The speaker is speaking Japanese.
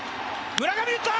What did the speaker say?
村上、打った！